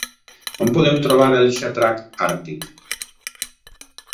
On podem trobar el Xatrac Àrtic?